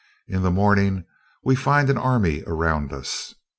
In the morning, we find an army around us.